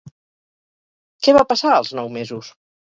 Què va passar als nous mesos?